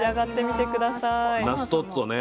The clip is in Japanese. ナストッツォね。